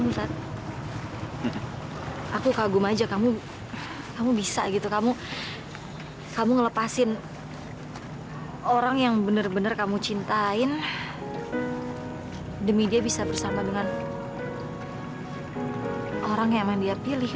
terima kasih banyak banyak